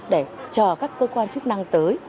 để chờ các cơ quan chức năng tới